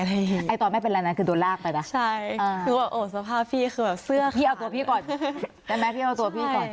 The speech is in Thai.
ได้มั้ยพี่เอาตัวพี่ก่อนใช่